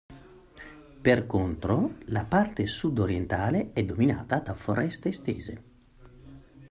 Per contro, la parte sud-orientale è dominata da foreste estese.